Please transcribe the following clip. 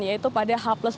yaitu pada h dua